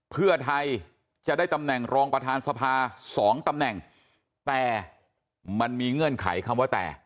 เพื่อไทยจะได้ตำแหน่งรองประธานสภาสองตำแหน่งแต่มันมีเงื่อนไขคำว่าแต่